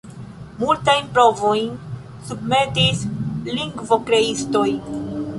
Multajn provojn submetis lingvokreistoj.